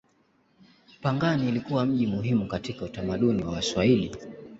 Pangani ilikuwa mji muhimu katika utamaduni wa Waswahili.